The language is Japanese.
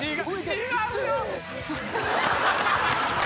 違うよ。